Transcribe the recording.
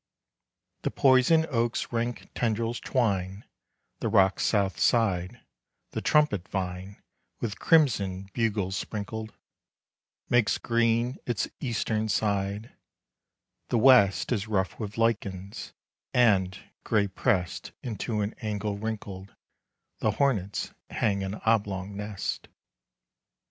The poison oak's rank tendrils twine The rock's south side; the trumpet vine, With crimson bugles sprinkled, Makes green its eastern side; the west Is rough with lichens; and, gray pressed Into an angle wrinkled, The hornets hang an oblong nest.